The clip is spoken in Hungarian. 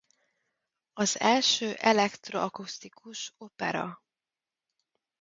Az első elektro-akusztikus opera.